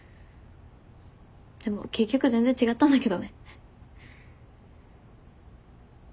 でも結局全然違ったんだけどね。